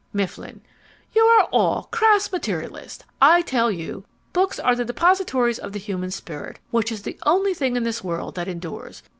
MIFFLIN You are all crass materialists. I tell you, books are the depositories of the human spirit, which is the only thing in this world that endures.